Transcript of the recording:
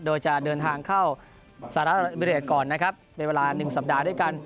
โดยจะเดินทางเข้าสหรัฐอเมริตก่อนนะครับในเวลา๑สัปดาห์ด้วยกัน